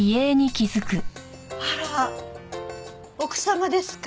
あら奥様ですか？